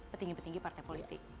petinggi petinggi partai politik